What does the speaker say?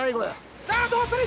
さあどうする？